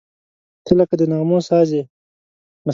• ته لکه د نغمو ساز یې.